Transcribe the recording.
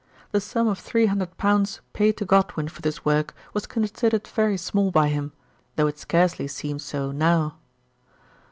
The sum of three hundred pounds paid to Godwin for this work was considered very small by him, though it scarcely seems so now.